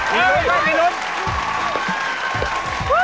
มีด้วยคุณหนุ่ม